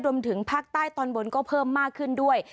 รวมถึงภาคใต้ตอนบนก็เพิ่มมากขึ้นด้วย